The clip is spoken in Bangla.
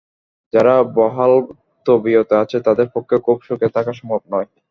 যারা বহাল তবিয়তে আছে, তাদের পক্ষেও খুব সুখে থাকা সম্ভব নয়।